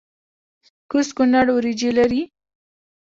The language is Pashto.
کوز کونړ وریجې لري؟